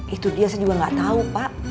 itu dia saya juga nggak tahu pak